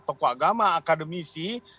tokoh agama akademisi